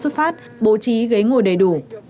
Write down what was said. được phát bố trí ghế ngồi đầy đủ